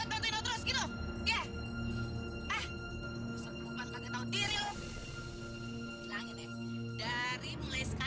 kalau kagak lu tau sendiri ya